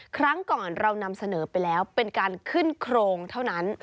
ครั้งก่อนเรานำเสนอไปแล้วเป็นการขึ้นโครงเท่านั้น